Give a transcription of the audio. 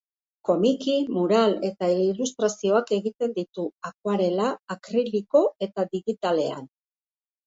Komiki, mural eta ilustrazioak egiten ditu, akuarela, akriliko eta digitalean.